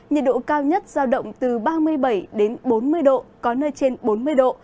nhiệt độ cao nhất giao động từ ba mươi bảy bốn mươi độ có nơi trên bốn mươi độ